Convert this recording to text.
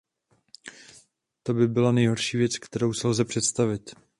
To by byla nejhorší věc, kterou si lze představit.